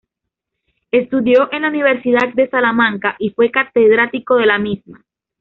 Estudió en la Universidad de Salamanca y fue catedrático de la misma.